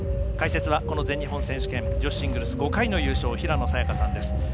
解説はこの全日本選手権女子シングルス５回の優勝平野早矢香さんです。